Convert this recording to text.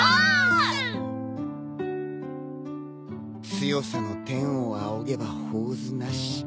強さの天を仰げば方図なし。